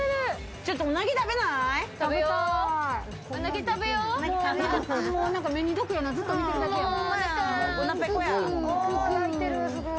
ちょっとうなぎ食べない？